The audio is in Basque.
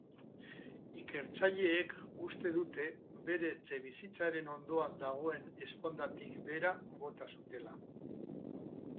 Ikertzaileek uste dute bere etxebizitzaren ondoan dagoen ezpondatik behera bota zutela.